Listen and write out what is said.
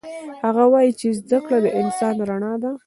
هغه وایي چې زده کړه د انسان رڼا ده